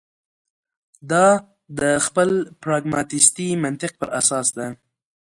دا د خپل پراګماتیستي منطق پر اساس ده.